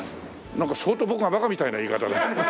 なんか相当僕がバカみたいな言い方だね。